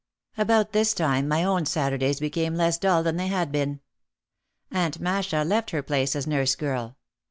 About this time my own Saturdays became less dull than they had been. Aunt Masha left her place as nurse girl.